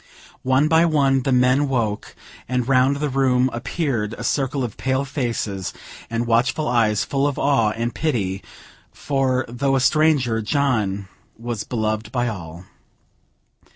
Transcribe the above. One by one, the men woke, and round the room appeared a circle of pale faces and watchful eyes, full of awe and pity; for, though a stranger, John was beloved by all.